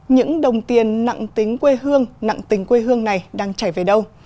những đồng tiền nặng tính quê hương nặng tình quê hương này đang chảy về đâu